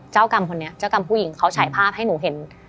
เจ้ากรรมคนนี้เจ้ากรรมผู้หญิงเขาฉายภาพให้หนูเห็น